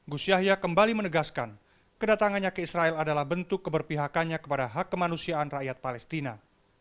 gus yahya kembali menegaskan kedatangannya ke israel adalah bentuk keberpihakannya kepada hak kemanusiaan rakyat palestina